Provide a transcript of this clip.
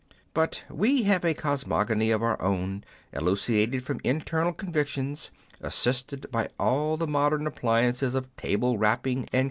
But we have a cosmogony of our own, elucidated from internal convictions, assisted by all the modern appliances of table rapping and clair ines, Tr/ni.